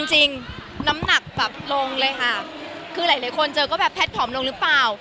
จริงน้ำหนักแบบลงเลยค่ะคือหลายคนเจอก็แบบแพทย์ผอมลงหรือเปล่า